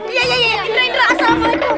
iya iya indra indra assalamualaikum